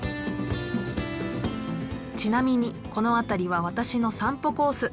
ちなみにこの辺りは私の散歩コース。